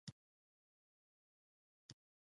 ایا اکو مو کړې ده؟